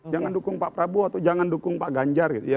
jangan dukung pak prabowo atau jangan dukung pak ganjar gitu ya